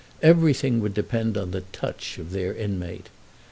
Everything would depend on the "touch" of their inmate.